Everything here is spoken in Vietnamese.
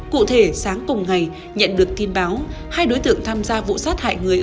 cụ thể sáng cùng ngày nhận được tin báo hai đối tượng tham gia vụ sát hại người